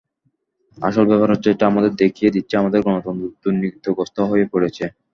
আসল ব্যাপার হচ্ছে, এটা আমাদের দেখিয়ে দিচ্ছে, আমাদের গণতন্ত্র দুর্নীতিগ্রস্ত হয়ে পড়েছে।